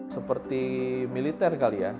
seperti militer kali ya